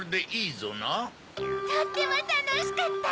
とってもたのしかった。